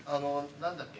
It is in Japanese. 何だっけ？